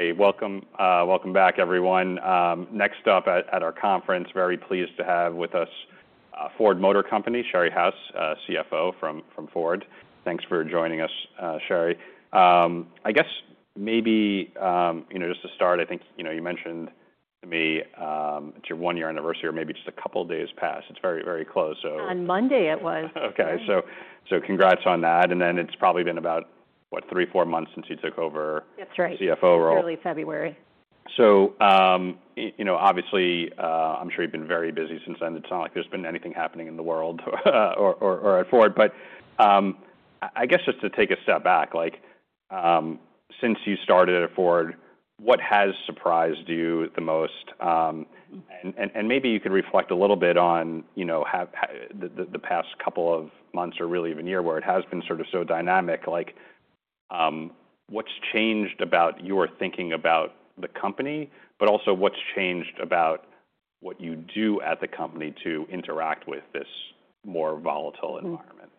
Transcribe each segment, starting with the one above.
Hey, welcome, welcome back, everyone. Next up at our conference, very pleased to have with us Ford Motor Company, Sherry House, CFO from Ford. Thanks for joining us, Sherry. I guess maybe, you know, just to start, I think, you know, you mentioned to me, it's your one-year anniversary, or maybe just a couple days past. It's very, very close, so. On Monday it was. Okay. So congrats on that. It's probably been about, what, three, four months since you took over. That's right. CFO role. Early February. You know, obviously, I'm sure you've been very busy since then. It's not like there's been anything happening in the world, or at Ford. I guess just to take a step back, since you started at Ford, what has surprised you the most? And maybe you could reflect a little bit on, you know, the past couple of months, or really even year, where it has been sort of so dynamic. What's changed about your thinking about the company, but also what's changed about what you do at the company to interact with this more volatile environment?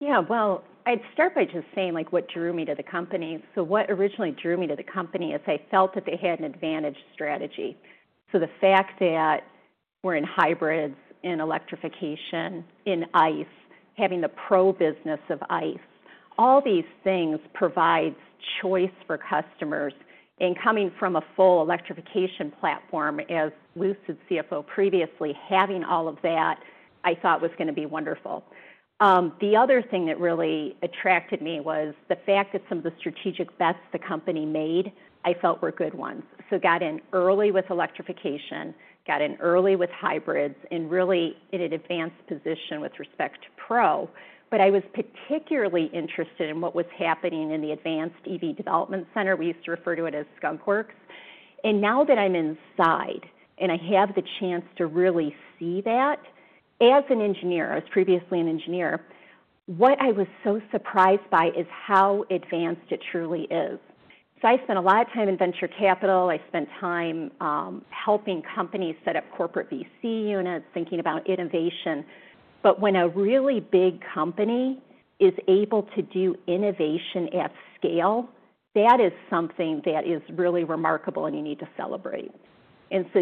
Mm-hmm. Yeah. I'd start by just saying, like, what drew me to the company. What originally drew me to the company is I felt that they had an advantage strategy. So the fact that we're in hybrids, in electrification, in ICE, having the pro business of ICE, all these things provides choice for customers. Incoming from a full electrification platform, as Lucid CFO previously, having all of that, I thought was gonna be wonderful. The other thing that really attracted me was the fact that some of the strategic bets the company made, I felt were good ones. Got in early with electrification, got in early with hybrids, and really in an advanced position with respect to pro. I was particularly interested in what was happening in the Advanced EV Development Center. We used to refer to it as Skunk Works. Now that I'm inside and I have the chance to really see that, as an engineer, I was previously an engineer, what I was so surprised by is how advanced it truly is. I spent a lot of time in venture capital. I spent time helping companies set up corporate VC units, thinking about innovation. When a really big company is able to do innovation at scale, that is something that is really remarkable and you need to celebrate.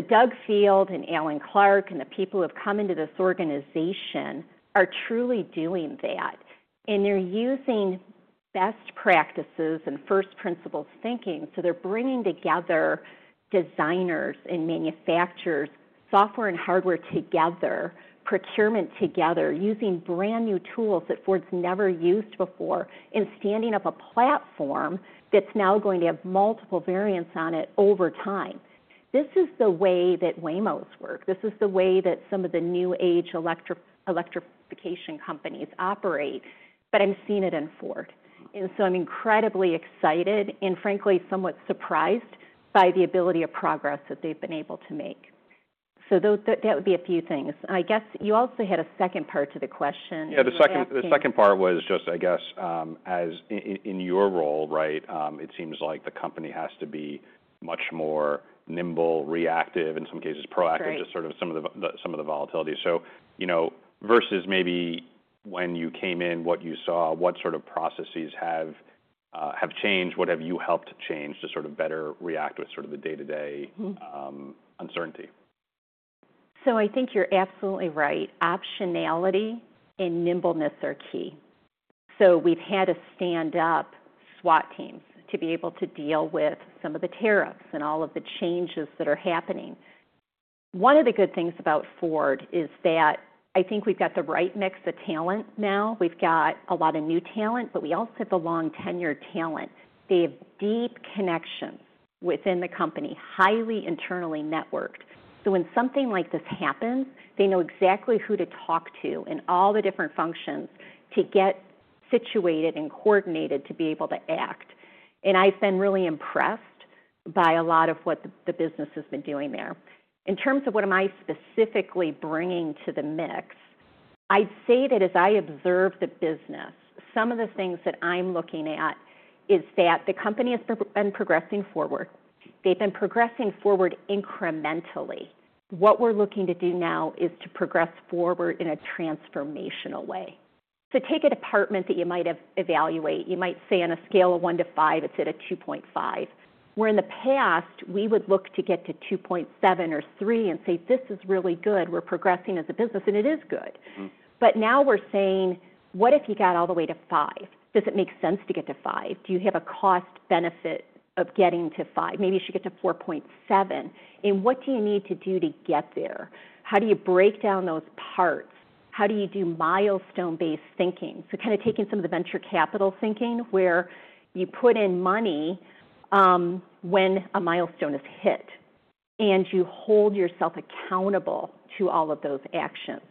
Doug Field and Alan Clark and the people who have come into this organization are truly doing that. They're using best practices and first-principles thinking. They're bringing together designers and manufacturers, software and hardware together, procurement together, using brand-new tools that Ford's never used before, and standing up a platform that's now going to have multiple variants on it over time. This is the way that Waymo's work. This is the way that some of the new-age electrification companies operate. I'm seeing it in Ford. I'm incredibly excited and, frankly, somewhat surprised by the ability of progress that they've been able to make. That would be a few things. I guess you also had a second part to the question. Yeah. The second part was just, I guess, as in, in your role, right, it seems like the company has to be much more nimble, reactive, in some cases proactive. Yeah. To sort of some of the volatility. You know, versus maybe when you came in, what you saw, what sort of processes have changed? What have you helped change to sort of better react with sort of the day-to-day uncertainty? So I think you're absolutely right. Optionality and nimbleness are key. We've had to stand up SWAT teams to be able to deal with some of the tariffs and all of the changes that are happening. One of the good things about Ford is that I think we've got the right mix of talent now. We've got a lot of new talent, but we also have the long-tenured talent. They have deep connections within the company, highly internally networked. When something like this happens, they know exactly who to talk to in all the different functions to get situated and coordinated to be able to act. I've been really impressed by a lot of what the business has been doing there. In terms of what am I specifically bringing to the mix, I'd say that as I observe the business, some of the things that I'm looking at is that the company has been progressing forward. They've been progressing forward incrementally. What we're looking to do now is to progress forward in a transformational way. Take a department that you might evaluate. You might say on a scale of one to five, it's at a 2.5. Where in the past, we would look to get to 2.7 or three and say, "This is really good. We're progressing as a business," and it is good. Mm-hmm. Now we're saying, "What if you got all the way to five? Does it make sense to get to five? Do you have a cost-benefit of getting to five? Maybe you should get to 4.7. And what do you need to do to get there? How do you break down those parts? How do you do milestone-based thinking?" So kinda taking some of the venture capital thinking where you put in money, when a milestone is hit, and you hold yourself accountable to all of those actions.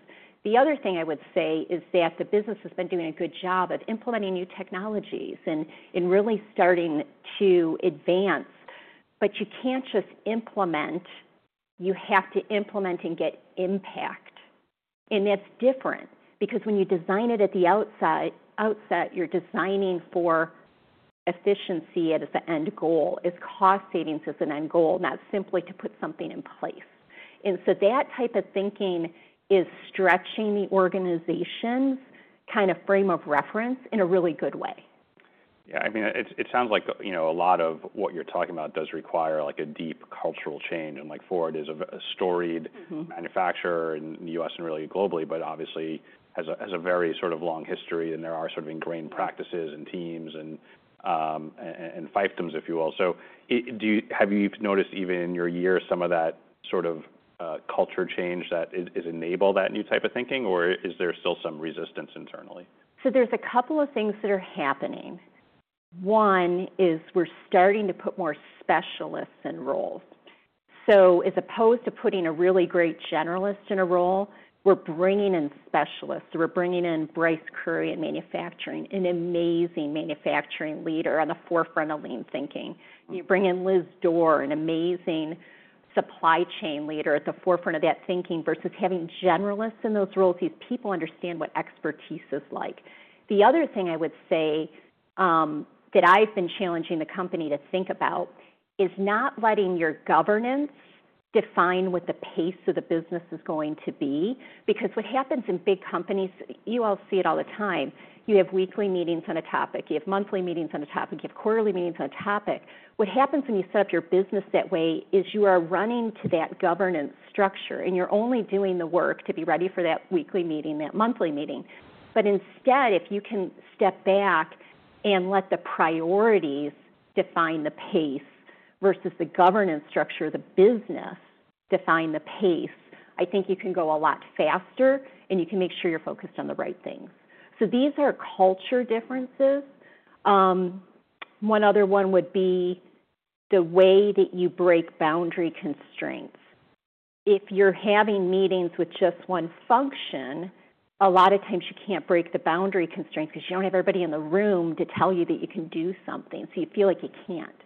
The other thing I would say is that the business has been doing a good job of implementing new technologies and really starting to advance. You can't just implement. You have to implement and get impact. That's different because when you design it at the outset, you're designing for efficiency as the end goal. It's cost savings as an end goal, not simply to put something in place. That type of thinking is stretching the organization's kinda frame of reference in a really good way. Yeah. I mean, it sounds like, you know, a lot of what you're talking about does require, like, a deep cultural change. And, like, Ford is a storied. Mm-hmm. Manufacturer in the U.S. and really globally, but obviously has a, has a very sort of long history, and there are sort of ingrained practices and teams and fiefdoms, if you will. Do you have you noticed even in your year some of that sort of culture change that is, is enable that new type of thinking, or is there still some resistance internally? There are a couple of things that are happening. One is we're starting to put more specialists in roles. So as opposed to putting a really great generalist in a role, we're bringing in specialists. We're bringing in Bryce Currie in manufacturing, an amazing manufacturing leader on the forefront of lean thinking. Mm-hmm. You bring in Liz Door, an amazing supply chain leader at the forefront of that thinking versus having generalists in those roles. These people understand what expertise is like. The other thing I would say, that I've been challenging the company to think about is not letting your governance define what the pace of the business is going to be. Because what happens in big companies, you all see it all the time. You have weekly meetings on a topic. You have monthly meetings on a topic. You have quarterly meetings on a topic. What happens when you set up your business that way is you are running to that governance structure, and you're only doing the work to be ready for that weekly meeting, and monthly meeting. If you can step back and let the priorities define the pace versus the governance structure, the business define the pace, I think you can go a lot faster, and you can make sure you're focused on the right things. These are culture differences. One other one would be the way that you break boundary constraints. If you're having meetings with just one function, a lot of times you can't break the boundary constraints 'cause you don't have everybody in the room to tell you that you can do something. You feel like you can't.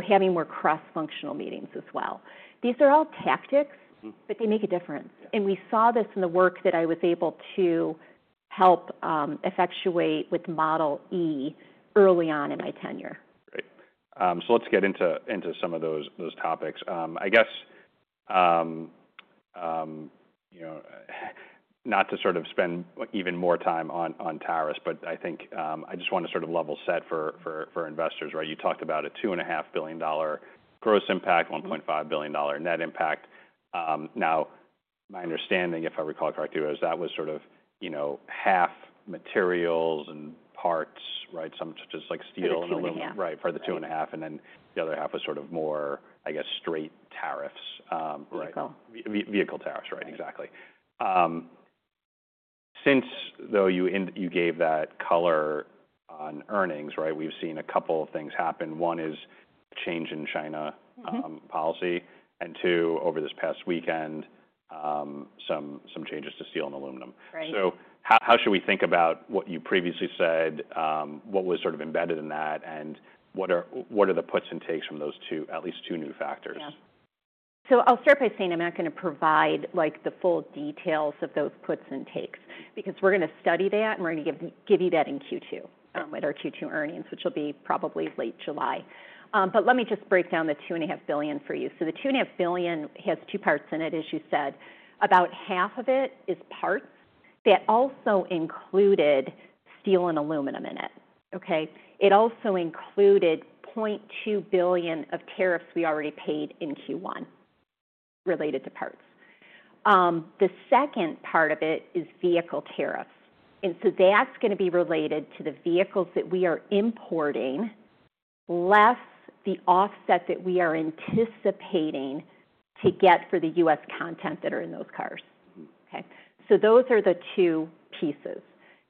Having more cross-functional meetings as well. These are all tactics. Mm-hmm. They make a difference. Yeah. We saw this in the work that I was able to help effectuate with Model E early on in my tenure. Great. Let's get into some of those topics. I guess, you know, not to sort of spend even more time on tariffs, but I think I just wanna sort of level set for investors, right? You talked about a $2.5 billion gross impact, $1.5 billion net impact. Now my understanding, if I recall correctly, was that was sort of, you know, half materials and parts, right, some such as like steel and aluminum. Absolutely. Right, for the two and a half. And then the other half was sort of more, I guess, straight tariffs. Vehicle. Vehicle tariffs, right? Exactly. Since though you gave that color on earnings, right, we've seen a couple of things happen. One is a change in China. Mm-hmm. Policy. Two, over this past weekend, some changes to steel and aluminum. Right. How should we think about what you previously said, what was sort of embedded in that, and what are the puts and takes from those two, at least two new factors? Yeah. I'll start by saying I'm not gonna provide, like, the full details of those puts and takes because we're gonna study that, and we're gonna give you that in Q2. Okay. At our Q2 earnings, which will be probably late July. Let me just break down the $2.5 billion for you. The $2.5 billion has two parts in it, as you said. About half of it is parts. That also included steel and aluminum in it, okay? It also included $200 million of tariffs we already paid in Q1 related to parts. The second part of it is vehicle tariffs. That is gonna be related to the vehicles that we are importing less the offset that we are anticipating to get for the U.S. content that are in those cars. Mm-hmm. Okay? Those are the two pieces.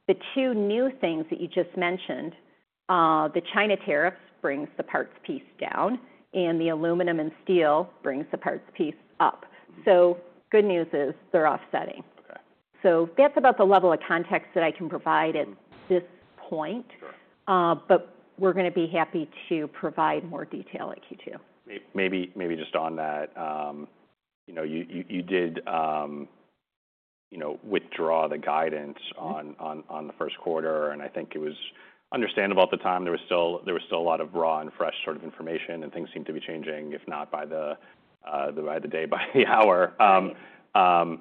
The two new things that you just mentioned, the China tariffs brings the parts piece down, and the aluminum and steel brings the parts piece up. Mm-hmm. Good news is they're offsetting. Okay. That's about the level of context that I can provide at this point. Sure. We're gonna be happy to provide more detail at Q2. Maybe just on that, you know, you did, you know, withdraw the guidance on the first quarter. I think it was understandable at the time. There was still a lot of raw and fresh sort of information, and things seemed to be changing, if not by the day, by the hour. Sure.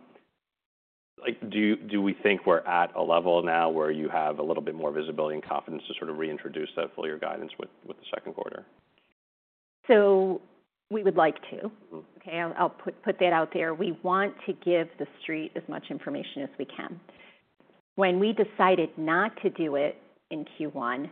Like, do we think we're at a level now where you have a little bit more visibility and confidence to sort of reintroduce that fuller guidance with the second quarter? So we would like to. Mm-hmm. Okay? I'll put that out there. We want to give the street as much information as we can. When we decided not to do it in Q1,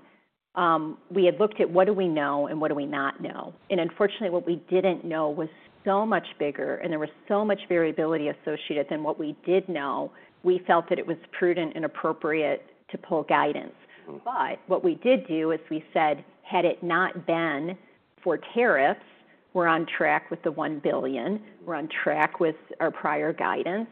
we had looked at what do we know and what do we not know. Unfortunately, what we didn't know was so much bigger, and there was so much variability associated than what we did know, we felt that it was prudent and appropriate to pull guidance. Mm-hmm. What we did do is we said, had it not been for tariffs, we're on track with the $1 billion. We're on track with our prior guidance.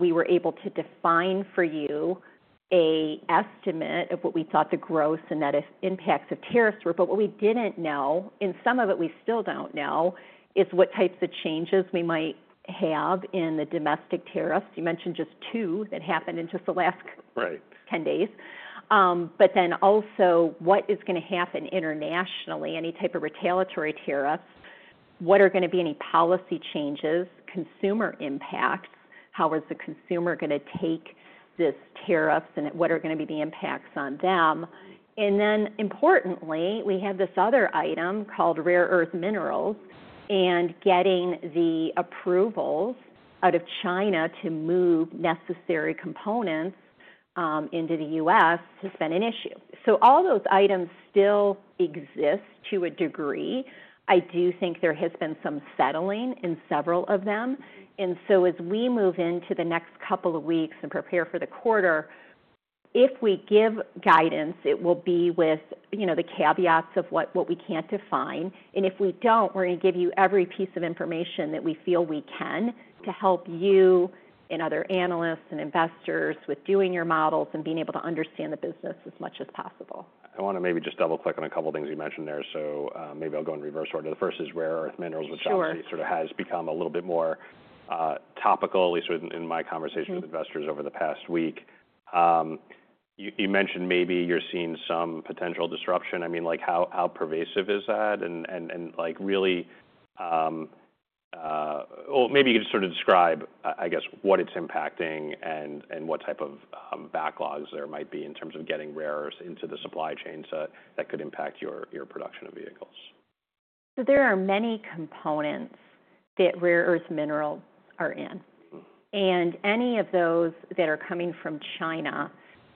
We were able to define for you an estimate of what we thought the gross and net impacts of tariffs were. What we didn't know, and some of it we still don't know, is what types of changes we might have in the domestic tariffs. You mentioned just two that happened in just the last. Right. 10 days. But then also what is gonna happen internationally, any type of retaliatory tariffs? What are gonna be any policy changes, consumer impacts? How is the consumer gonna take these tariffs, and what are gonna be the impacts on them? And then importantly, we have this other item called rare earth minerals, and getting the approvals out of China to move necessary components into the U.S. has been an issue. All those items still exist to a degree. I do think there has been some settling in several of them. As we move into the next couple of weeks and prepare for the quarter, if we give guidance, it will be with, you know, the caveats of what, what we can't define. And if we don't, we are gonna give you every piece of information that we feel we can to help you and other analysts and investors with doing your models and being able to understand the business as much as possible. I wanna maybe just double-click on a couple of things you mentioned there. Maybe I'll go in reverse order. The first is rare earth minerals, which obviously. Sure. Sort of has become a little bit more topical, at least in my conversation with investors over the past week. You mentioned maybe you're seeing some potential disruption. I mean, like, how pervasive is that? And, like, really, maybe you could just sort of describe, I guess, what it's impacting and what type of backlogs there might be in terms of getting rare earths into the supply chains that could impact your production of vehicles. There are many components that rare earth minerals are in. Mm-hmm. Any of those that are coming from China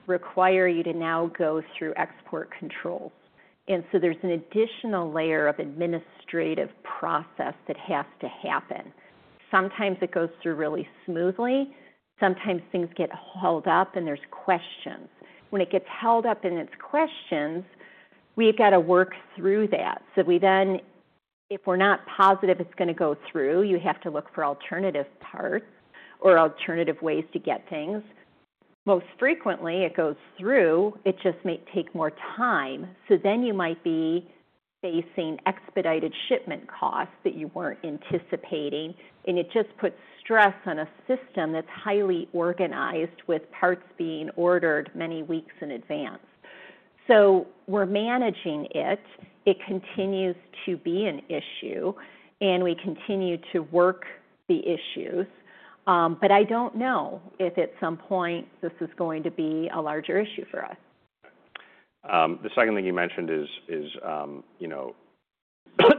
require you to now go through export controls. There is an additional layer of administrative process that has to happen. Sometimes it goes through really smoothly. Sometimes things get held up, and there are questions. When it gets held up and there are questions, we have to work through that. If we are not positive it is going to go through, you have to look for alternative parts or alternative ways to get things. Most frequently, it goes through. It just may take more time. You might be facing expedited shipment costs that you were not anticipating. It just puts stress on a system that is highly organized with parts being ordered many weeks in advance. We are managing it. It continues to be an issue, and we continue to work the issues. I don't know if at some point this is going to be a larger issue for us. The second thing you mentioned is, you know,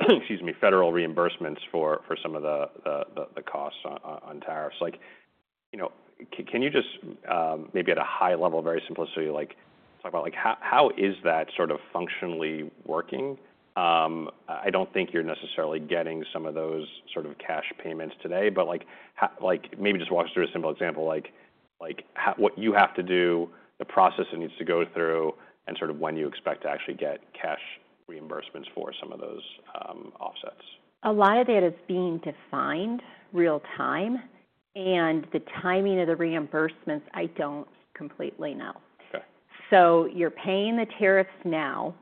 excuse me, federal reimbursements for some of the costs on tariffs. Like, you know, can you just, maybe at a high level, very simplicity like, talk about how is that sort of functionally working? I don't think you're necessarily getting some of those sort of cash payments today. Like, maybe just walk us through a simple example, like, what you have to do, the process it needs to go through, and sort of when you expect to actually get cash reimbursements for some of those offsets. A lot of that is being defined real time. The timing of the reimbursements, I don't completely know. Okay. You're paying the tariffs now.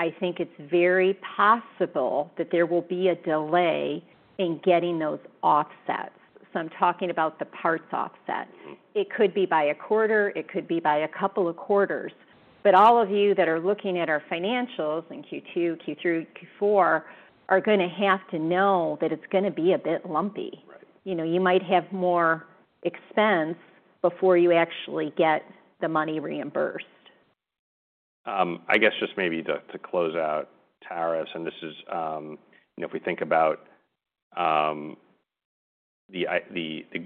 I think it's very possible that there will be a delay in getting those offsets. I'm talking about the parts offset. Mm-hmm. It could be by a quarter. It could be by a couple of quarters. All of you that are looking at our financials in Q2, Q3, Q4 are gonna have to know that it's gonna be a bit lumpy. Right. You know, you might have more expense before you actually get the money reimbursed. I guess just maybe to close out tariffs, and this is, you know, if we think about the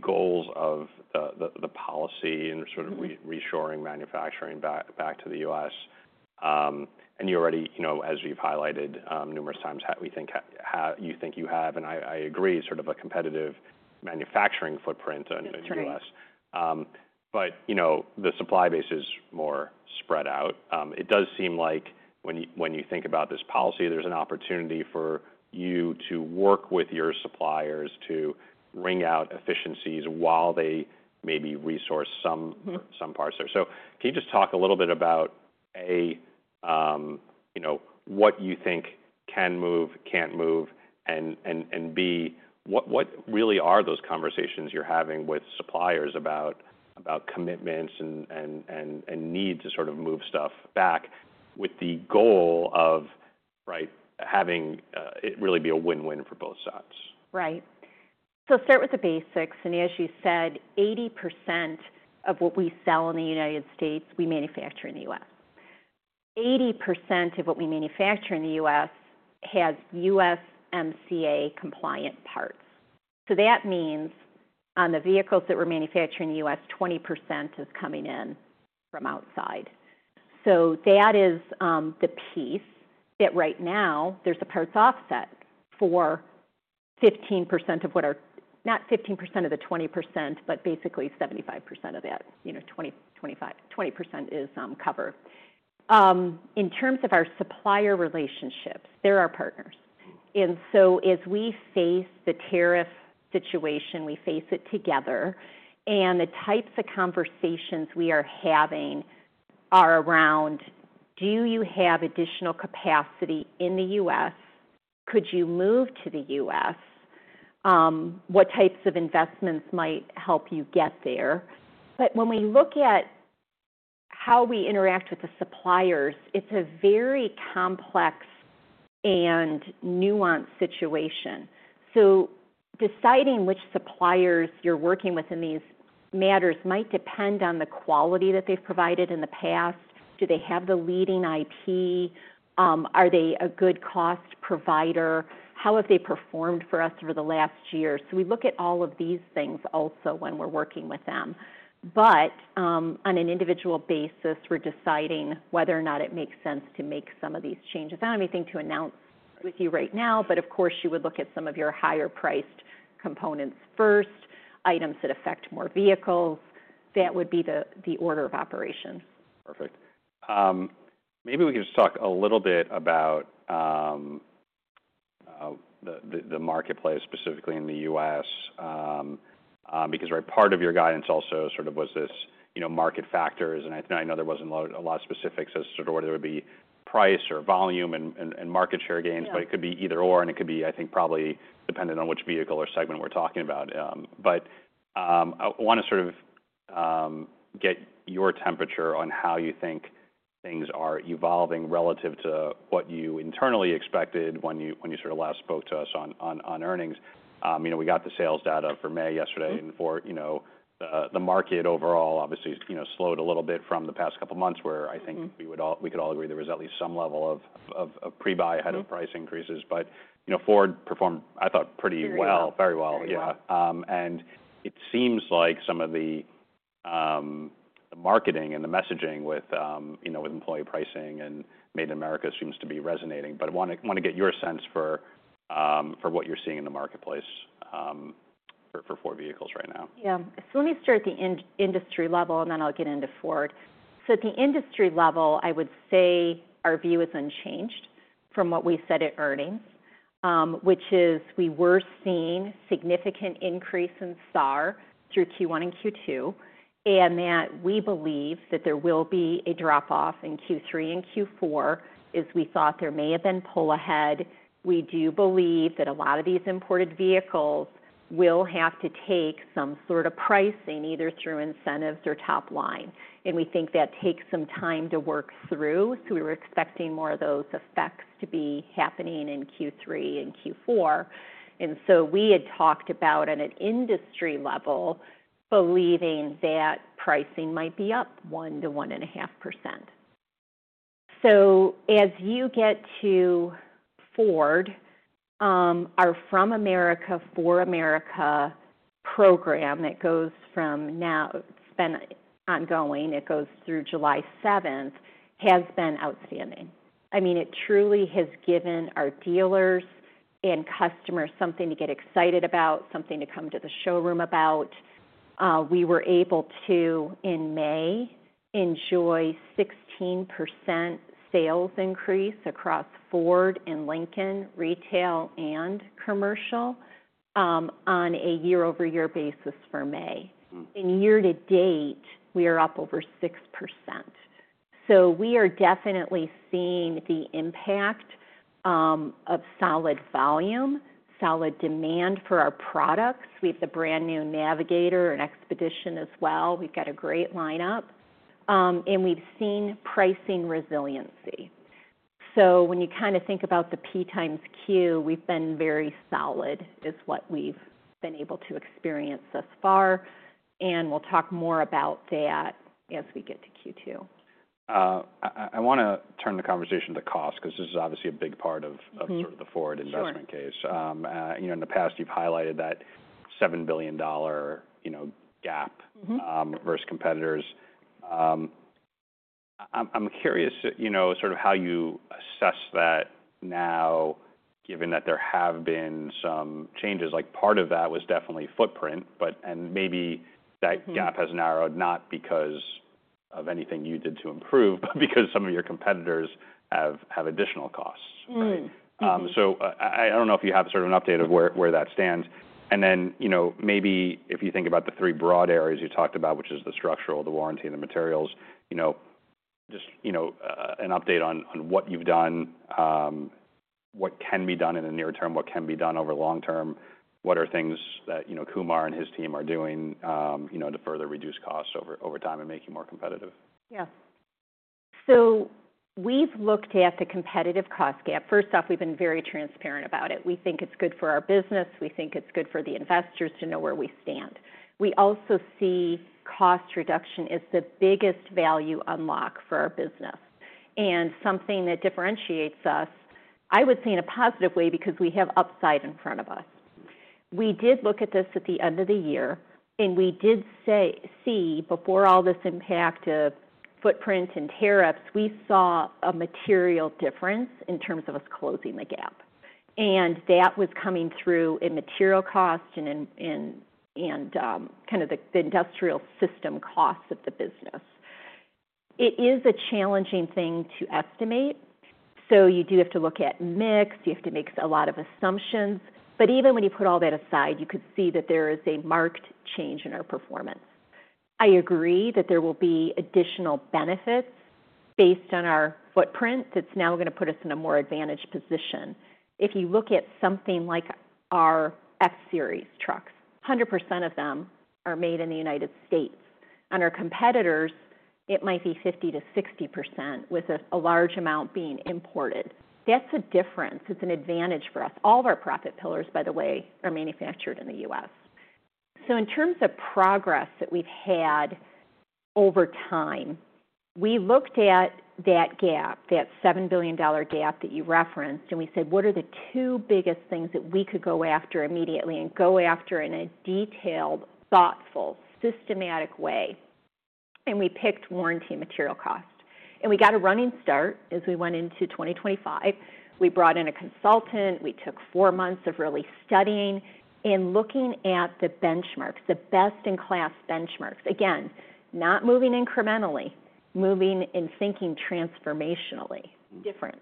goals of the policy and sort of re-reshoring manufacturing back to the U.S., and you already, you know, as you've highlighted numerous times, we think you have, and I, I agree, sort of a competitive manufacturing footprint in the U.S. That's true. But, you know, the supply base is more spread out. It does seem like when you, when you think about this policy, there's an opportunity for you to work with your suppliers to ring out efficiencies while they maybe resource some. Mm-hmm. Or some parts there. Can you just talk a little bit about, A, you know, what you think can move, can't move, and B, what really are those conversations you're having with suppliers about commitments and need to sort of move stuff back with the goal of, right, having it really be a win-win for both sides? Right. Start with the basics. As you said, 80% of what we sell in the United States, we manufacture in the US. 80% of what we manufacture in the US has USMCA compliant parts. So that means on the vehicles that we're manufacturing in the US, 20% is coming in from outside. That is the piece that right now there's a parts offset for 15% of what our, not 15% of the 20%, but basically 75% of that 20% is covered. In terms of our supplier relationships, they're our partners. Mm-hmm. As we face the tariff situation, we face it together. The types of conversations we are having are around, do you have additional capacity in the U.S.? Could you move to the U.S.? What types of investments might help you get there? When we look at how we interact with the suppliers, it is a very complex and nuanced situation. Deciding which suppliers you are working with in these matters might depend on the quality that they have provided in the past. Do they have the leading IP? Are they a good cost provider? How have they performed for us over the last year? We look at all of these things also when we are working with them. On an individual basis, we are deciding whether or not it makes sense to make some of these changes. I don't have anything to announce with you right now, but of course, you would look at some of your higher-priced components first, items that affect more vehicles. That would be the order of operations. Perfect. Maybe we could just talk a little bit about the marketplace specifically in the U.S., because, right, part of your guidance also sort of was this, you know, market factors. And I know there was not a lot of specifics as to whether it would be price or volume and market share gains. Mm-hmm. It could be either/or, and it could be, I think, probably dependent on which vehicle or segment we're talking about. I wanna sort of get your temperature on how you think things are evolving relative to what you internally expected when you sort of last spoke to us on earnings. You know, we got the sales data for May yesterday. Mm-hmm. For, you know, the market overall, obviously, you know, slowed a little bit from the past couple of months where I think. Mm-hmm. We could all agree there was at least some level of pre-buy ahead of price increases. You know, Ford performed, I thought, pretty well. Very well. Very well. Yeah. Yeah. It seems like some of the marketing and the messaging with, you know, with employee pricing and Made in America seems to be resonating. I wanna get your sense for what you're seeing in the marketplace for Ford vehicles right now. Yeah. Let me start at the industry level, and then I'll get into Ford. At the industry level, I would say our view is unchanged from what we said at earnings, which is we were seeing significant increase in SAR through Q1 and Q2. We believe that there will be a drop-off in Q3 and Q4 as we thought there may have been pull ahead. We do believe that a lot of these imported vehicles will have to take some sort of pricing either through incentives or top line. We think that takes some time to work through. We were expecting more of those effects to be happening in Q3 and Q4. And so we had talked about, at an industry level, believing that pricing might be up 1-1.5%. As you get to Ford, our From America for America program that goes from now, it's been ongoing. It goes through July 7, has been outstanding. I mean, it truly has given our dealers and customers something to get excited about, something to come to the showroom about. We were able to, in May, enjoy a 16% sales increase across Ford and Lincoln retail and commercial, on a year-over-year basis for May. Mm-hmm. Year-to-date, we are up over 6%. We are definitely seeing the impact of solid volume, solid demand for our products. We have the brand new Navigator and Expedition as well. We have a great lineup, and we have seen pricing resiliency. When you kind of think about the P times Q, we have been very solid in what we have been able to experience thus far. We will talk more about that as we get to Q2. I wanna turn the conversation to cost 'cause this is obviously a big part of. Mm-hmm. Sort of the Ford investment case. Sure. you know, in the past, you've highlighted that $7 billion, you know, gap. Mm-hmm. versus competitors. I'm curious, you know, sort of how you assess that now, given that there have been some changes. Like, part of that was definitely footprint, but, and maybe that gap has narrowed not because of anything you did to improve, but because some of your competitors have additional costs. Mm-hmm. Right? Mm-hmm. I don't know if you have sort of an update of where that stands. You know, maybe if you think about the three broad areas you talked about, which is the structural, the warranty, and the materials, you know, just an update on what you've done, what can be done in the near term, what can be done over the long term, what are things that, you know, Kumar and his team are doing to further reduce costs over time and make you more competitive? Yeah. We have looked at the competitive cost gap. First off, we have been very transparent about it. We think it is good for our business. We think it is good for the investors to know where we stand. We also see cost reduction as the biggest value unlock for our business and something that differentiates us, I would say, in a positive way because we have upside in front of us. Mm-hmm. We did look at this at the end of the year, and we did see before all this impact of footprint and tariffs, we saw a material difference in terms of us closing the gap. That was coming through in material costs and in, kind of, the industrial system costs of the business. It is a challenging thing to estimate. You do have to look at mix. You have to make a lot of assumptions. Even when you put all that aside, you could see that there is a marked change in our performance. I agree that there will be additional benefits based on our footprint that's now gonna put us in a more advantaged position. If you look at something like our F-Series trucks, 100% of them are made in the United States. On our competitors, it might be 50-60% with a large amount being imported. That is a difference. It is an advantage for us. All of our profit pillars, by the way, are manufactured in the U.S. In terms of progress that we have had over time, we looked at that gap, that $7 billion gap that you referenced, and we said, "What are the two biggest things that we could go after immediately and go after in a detailed, thoughtful, systematic way?" We picked warranty and material cost. We got a running start as we went into 2025. We brought in a consultant. We took four months of really studying and looking at the benchmarks, the best-in-class benchmarks. Again, not moving incrementally, moving and thinking transformationally. Difference.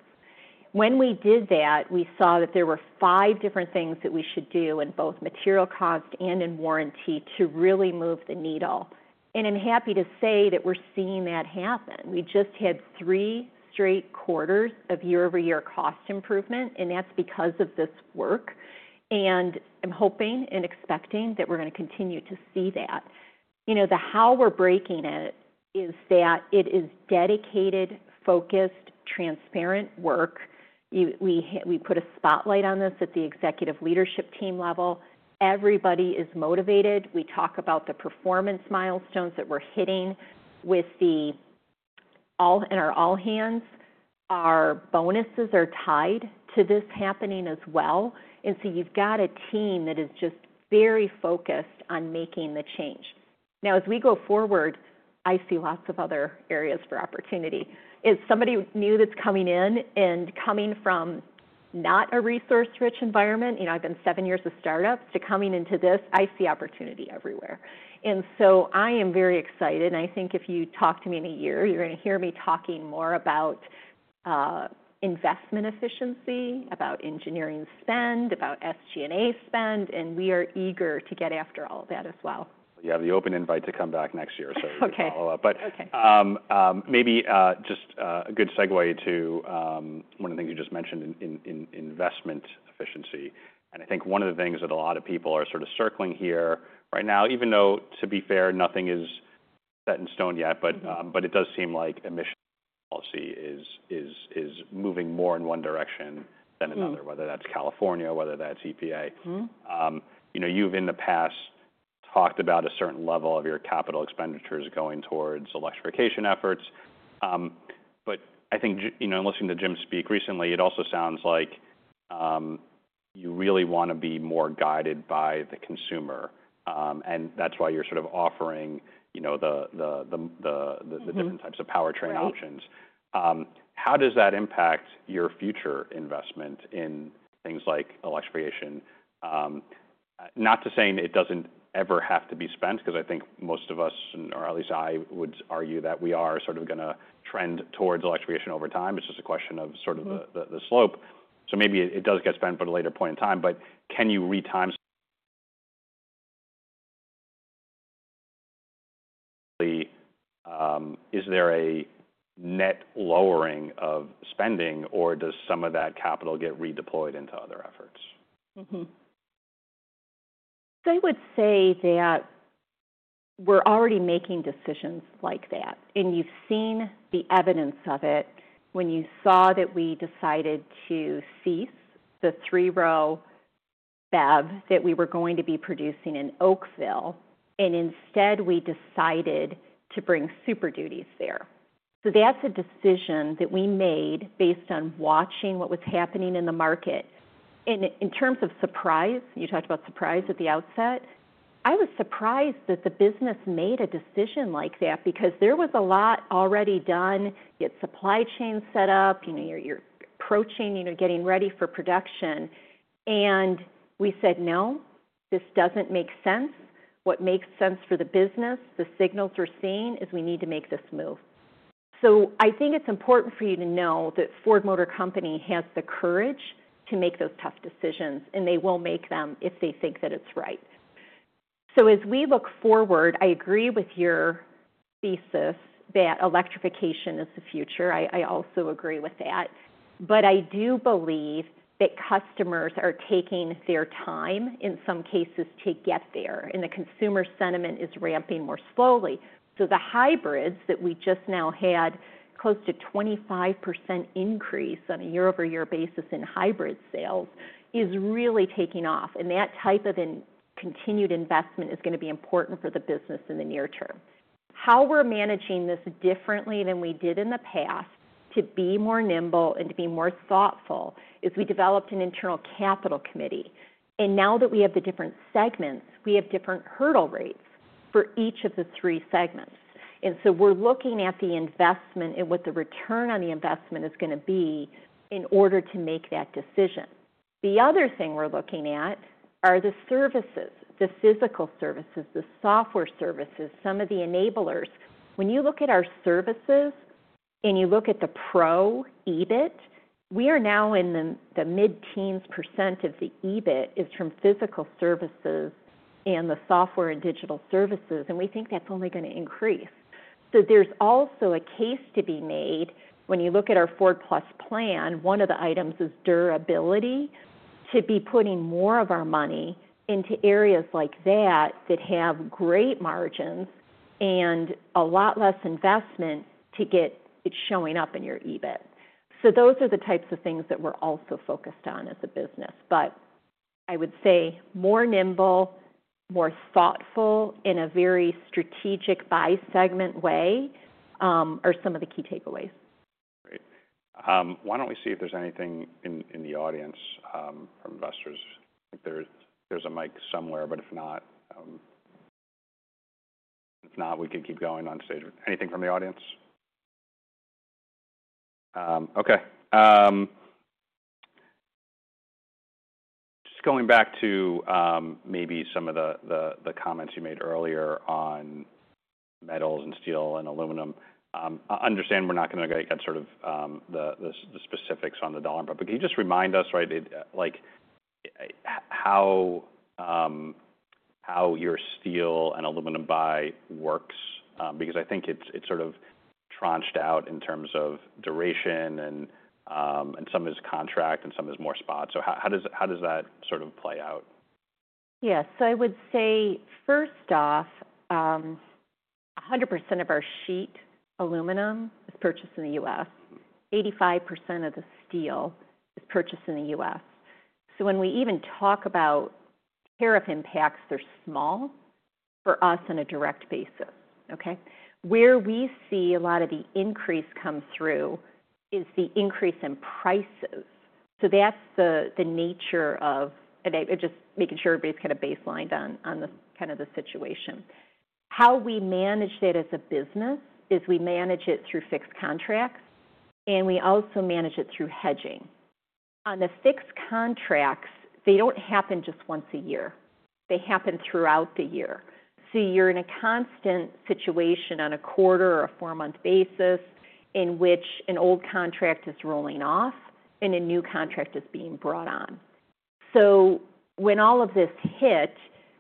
When we did that, we saw that there were five different things that we should do in both material cost and in warranty to really move the needle. I'm happy to say that we're seeing that happen. We just had three straight quarters of year-over-year cost improvement, and that's because of this work. I'm hoping and expecting that we're gonna continue to see that. You know, how we're breaking it is that it is dedicated, focused, transparent work. We put a spotlight on this at the executive leadership team level. Everybody is motivated. We talk about the performance milestones that we're hitting in our all hands. Our bonuses are tied to this happening as well. You've got a team that is just very focused on making the change. Now, as we go forward, I see lots of other areas for opportunity. It's somebody new that's coming in and coming from not a resource-rich environment. You know, I've been seven years a startup to coming into this. I see opportunity everywhere. I am very excited. I think if you talk to me in a year, you're gonna hear me talking more about investment efficiency, about engineering spend, about SG&A spend. We are eager to get after all of that as well. You have the open invite to come back next year. Okay. We can follow up. Okay. Maybe, just a good segue to one of the things you just mentioned in investment efficiency. I think one of the things that a lot of people are sort of circling here right now, even though, to be fair, nothing is set in stone yet, it does seem like emissions policy is moving more in one direction than another. Mm-hmm. Whether that's California, whether that's EPA. Mm-hmm. You know, you've in the past talked about a certain level of your capital expenditures going towards electrification efforts. I think, you know, in listening to Jim speak recently, it also sounds like you really wanna be more guided by the consumer. That's why you're sort of offering the different types of powertrain options. Mm-hmm. How does that impact your future investment in things like electrification? Not to say it does not ever have to be spent, 'cause I think most of us, or at least I would argue that we are sort of gonna trend towards electrification over time. It is just a question of the slope. Maybe it does get spent at a later point in time, but can you re-time the, is there a net lowering of spending, or does some of that capital get redeployed into other efforts? Mm-hmm. They would say that we're already making decisions like that. And you've seen the evidence of it when you saw that we decided to cease the three-row BEV that we were going to be producing in Oakville, and instead, we decided to bring Super Duty there. That is a decision that we made based on watching what was happening in the market. In terms of surprise, you talked about surprise at the outset. I was surprised that the business made a decision like that because there was a lot already done. You had supply chain set up. You know, you're approaching, you know, getting ready for production. We said, "No, this doesn't make sense. What makes sense for the business, the signals we're seeing is we need to make this move. I think it's important for you to know that Ford Motor Company has the courage to make those tough decisions, and they will make them if they think that it's right. As we look forward, I agree with your thesis that electrification is the future. I also agree with that. I do believe that customers are taking their time, in some cases, to get there, and the consumer sentiment is ramping more slowly. The hybrids that we just now had close to 25% increase on a year-over-year basis in hybrid sales is really taking off. That type of continued investment is gonna be important for the business in the near term. How we're managing this differently than we did in the past to be more nimble and to be more thoughtful is we developed an internal capital committee. Now that we have the different segments, we have different hurdle rates for each of the three segments. We are looking at the investment and what the return on the investment is gonna be in order to make that decision. The other thing we're looking at are the services, the physical services, the software services, some of the enablers. When you look at our services and you look at the pro EBIT, we are now in the mid-teens percent of the EBIT is from physical services and the software and digital services. We think that's only gonna increase. There is also a case to be made. When you look at our Ford Plus plan, one of the items is durability. To be putting more of our money into areas like that that have great margins and a lot less investment to get it showing up in your EBIT. Those are the types of things that we're also focused on as a business. I would say more nimble, more thoughtful in a very strategic bi-segment way, are some of the key takeaways. Great. Why don't we see if there's anything in the audience, from investors? I think there's a mic somewhere, but if not, we could keep going on stage. Anything from the audience? Okay. Just going back to maybe some of the comments you made earlier on metals and steel and aluminum, I understand we're not gonna get the specifics on the dollar amount, but can you just remind us, right, like, how your steel and aluminum buy works, because I think it's sort of tranched out in terms of duration and some is contract and some is more spot. How does that sort of play out? Yeah. I would say, first off, 100% of our sheet aluminum is purchased in the U.S. Mm-hmm. 85% of the steel is purchased in the U.S. When we even talk about tariff impacts, they're small for us on a direct basis, okay? Where we see a lot of the increase come through is the increase in prices. That's the nature of, and I, I just making sure everybody's kinda baselined on, on the kinda the situation. How we manage that as a business is we manage it through fixed contracts, and we also manage it through hedging. On the fixed contracts, they don't happen just once a year. They happen throughout the year. You're in a constant situation on a quarter or a four-month basis in which an old contract is rolling off and a new contract is being brought on. When all of this hit,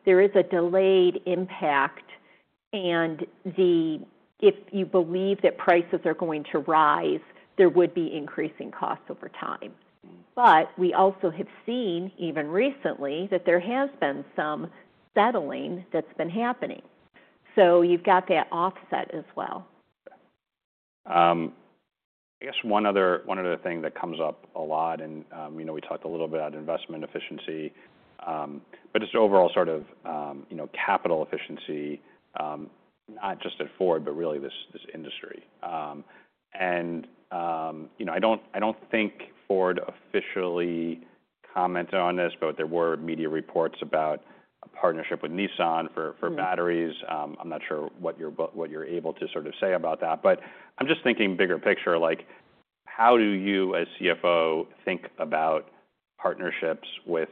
there is a delayed impact. If you believe that prices are going to rise, there would be increasing costs over time. Mm-hmm. We also have seen, even recently, that there has been some settling that's been happening. So you've got that offset as well. I guess one other, one other thing that comes up a lot and, you know, we talked a little bit about investment efficiency, but just overall sort of, you know, capital efficiency, not just at Ford, but really this, this industry. You know, I don't, I don't think Ford officially commented on this, but there were media reports about a partnership with Nissan for, for batteries. Mm-hmm. I'm not sure what you're able to sort of say about that. I'm just thinking bigger picture, like, how do you, as CFO, think about partnerships with,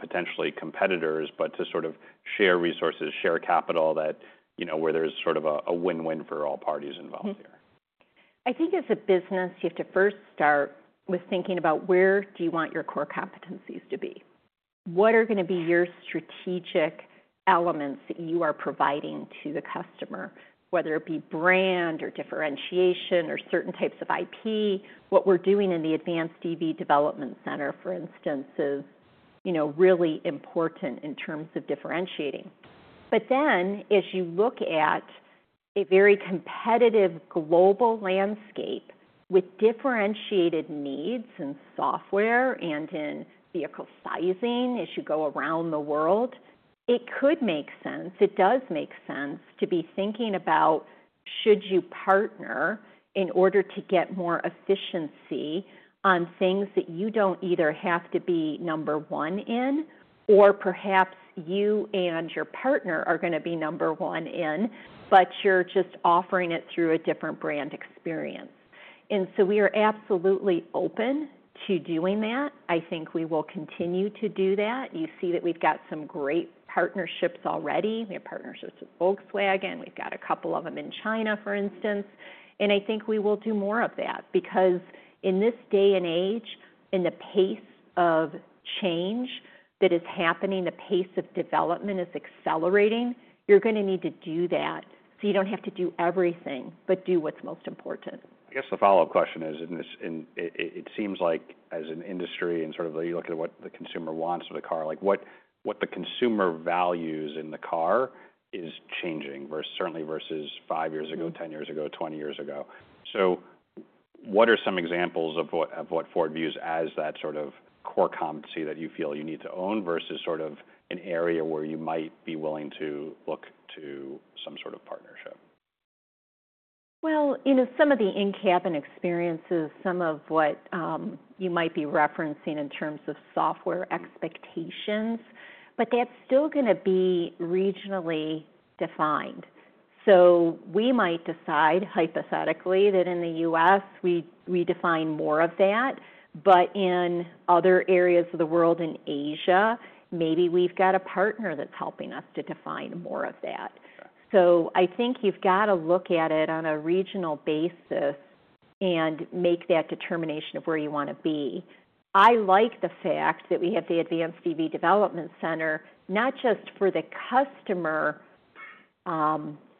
potentially competitors, but to sort of share resources, share capital that, you know, where there's sort of a win-win for all parties involved here? Mm-hmm. I think as a business, you have to first start with thinking about where do you want your core competencies to be? What are gonna be your strategic elements that you are providing to the customer, whether it be brand or differentiation or certain types of IP? What we're doing in the Advanced EV Development Center, for instance, is, you know, really important in terms of differentiating. As you look at a very competitive global landscape with differentiated needs in software and in vehicle sizing, as you go around the world, it could make sense. It does make sense to be thinking about, should you partner in order to get more efficiency on things that you do not either have to be number one in, or perhaps you and your partner are gonna be number one in, but you're just offering it through a different brand experience. We are absolutely open to doing that. I think we will continue to do that. You see that we've got some great partnerships already. We have partnerships with Volkswagen. We've got a couple of them in China, for instance. I think we will do more of that because in this day and age, the pace of change that is happening, the pace of development is accelerating. You're gonna need to do that so you do not have to do everything, but do what's most important. I guess the follow-up question is, in this, it seems like as an industry and sort of you look at what the consumer wants with a car, like, what the consumer values in the car is changing certainly versus 5 years ago, 10 years ago, 20 years ago. What are some examples of what Ford views as that sort of core competency that you feel you need to own versus sort of an area where you might be willing to look to some sort of partnership? You know, some of the in-cabin experiences, some of what you might be referencing in terms of software expectations, but that's still gonna be regionally defined. We might decide, hypothetically, that in the U.S., we define more of that. In other areas of the world, in Asia, maybe we've got a partner that's helping us to define more of that. Sure. I think you've gotta look at it on a regional basis and make that determination of where you wanna be. I like the fact that we have the Advanced EV Development Center, not just for the customer,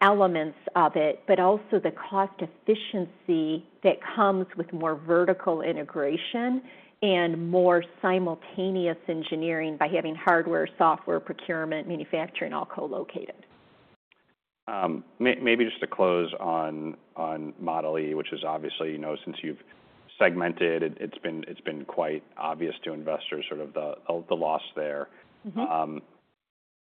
elements of it, but also the cost efficiency that comes with more vertical integration and more simultaneous engineering by having hardware, software, procurement, manufacturing all co-located. Maybe just to close on Model E, which is obviously, you know, since you've segmented it, it's been quite obvious to investors, sort of the loss there. Mm-hmm.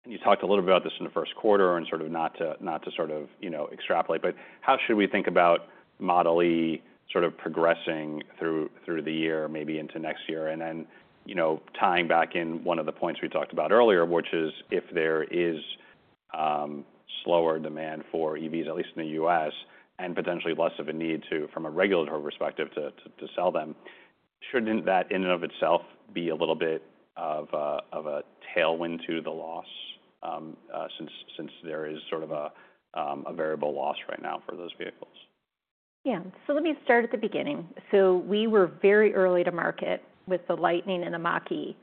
You talked a little bit about this in the first quarter and sort of, not to, not to, you know, extrapolate, but how should we think about Model E sort of progressing through the year, maybe into next year? Then, tying back in one of the points we talked about earlier, which is if there is slower demand for EVs, at least in the U.S., and potentially less of a need to, from a regulatory perspective, to sell them, should not that in and of itself be a little bit of a tailwind to the loss, since there is sort of a variable loss right now for those vehicles? Yeah. Let me start at the beginning. We were very early to market with the Lightning and the Mach-E,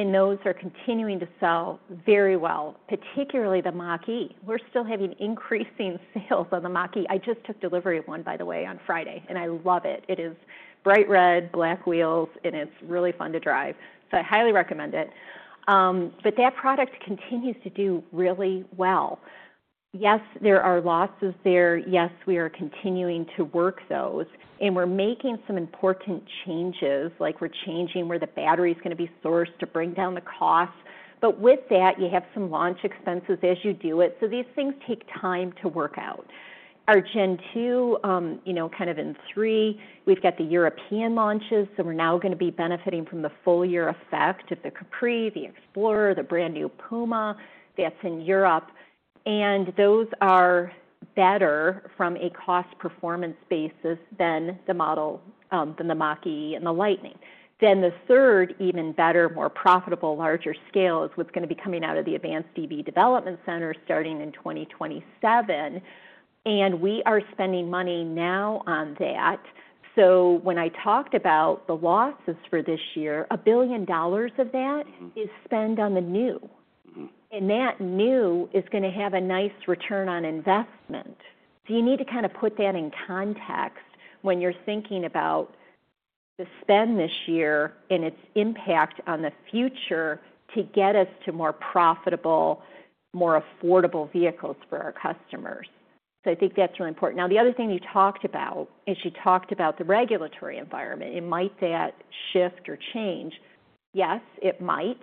and those are continuing to sell very well, particularly the Mach-E. We're still having increasing sales on the Mach-E. I just took delivery of one, by the way, on Friday, and I love it. It is bright red, black wheels, and it's really fun to drive. I highly recommend it. That product continues to do really well. Yes, there are losses there. Yes, we are continuing to work those. We're making some important changes, like we're changing where the battery's gonna be sourced to bring down the cost. With that, you have some launch expenses as you do it. These things take time to work out. Our Gen two, you know, kind of in three, we've got the European launches. We're now gonna be benefiting from the full-year effect of the Capri, the Explorer, the brand new Puma. That's in Europe. Those are better from a cost performance basis than the Model, than the Mach-E and the Lightning. The third, even better, more profitable, larger scale is what's gonna be coming out of the Advanced EV Development Center starting in 2027. We are spending money now on that. When I talked about the losses for this year, a billion dollars of that. Mm-hmm. Is spent on the new. Mm-hmm. That new is gonna have a nice return on investment. You need to kinda put that in context when you're thinking about the spend this year and its impact on the future to get us to more profitable, more affordable vehicles for our customers. I think that's really important. The other thing you talked about is you talked about the regulatory environment. It might shift or change. Yes, it might.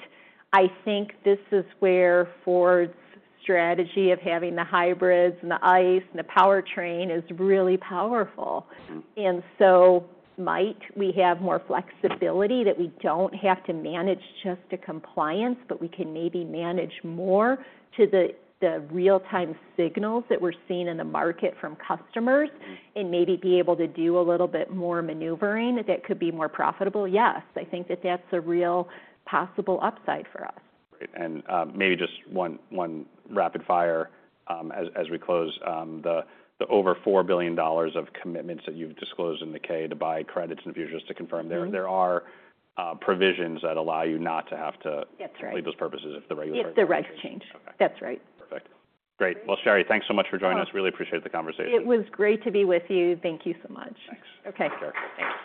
I think this is where Ford's strategy of having the hybrids and the ICE and the powertrain is really powerful. Mm-hmm. Might we have more flexibility that we do not have to manage just to compliance, but we can maybe manage more to the real-time signals that we are seeing in the market from customers. Mm-hmm. And maybe be able to do a little bit more maneuvering that could be more profitable. Yes, I think that that's a real possible upside for us. Great. Maybe just one rapid fire, as we close, the over $4 billion of commitments that you've disclosed in the K to buy credits and fusions. To confirm, there are provisions that allow you not to have to. That's right. Complete those purposes if the regulatory. If the regs change. Okay. That's right. Perfect. Great. Sherry, thanks so much for joining us. Really appreciate the conversation. It was great to be with you. Thank you so much. Thanks. Okay. Take care. Thanks.